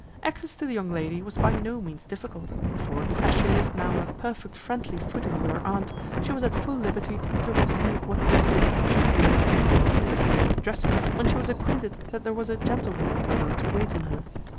Access to the young lady was by no means difficult; for, as she lived now on a perfect friendly footing with her aunt, she was at full liberty to receive what visitants she pleased. Sophia was dressing when she was acquainted that there was a gentlewoman below to wait on her.